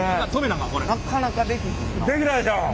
なかなかできひんな。